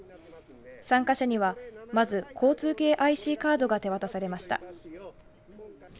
参加者にはまず交通系ＩＣカードが手渡されました。